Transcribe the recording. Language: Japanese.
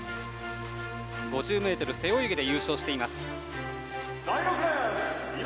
５０ｍ背泳ぎで優勝しています。